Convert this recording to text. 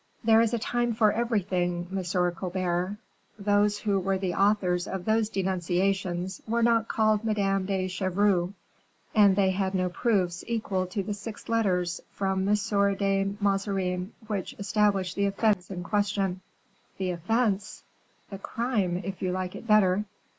"There is a time for everything, Monsieur Colbert; those who were the authors of those denunciations were not called Madame de Chevreuse, and they had no proofs equal to the six letters from M. de Mazarin which establish the offense in question." "The offense!" "The crime, if you like it better."